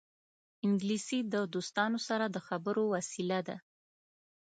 انګلیسي د دوستانو سره د خبرو وسیله ده